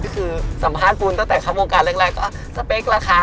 คือสัมภาษณ์ฟูลตั้งแต่ความวงการแรงก็สเปคราคา